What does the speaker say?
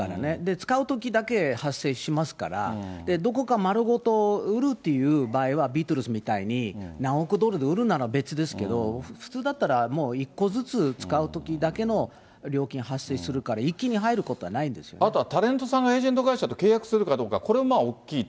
使うときだけ発生しますから、どこか丸ごと売るという場合はビートルズみたいに何億ドルで売るなら別ですけど、普通だったらもう１個ずつ使うときだけの料金発生するから、あとはタレントさんがエージェント会社と契約するかどうか、これは大きいと。